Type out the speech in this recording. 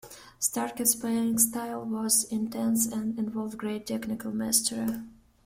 Starker's playing style was intense and involved great technical mastery.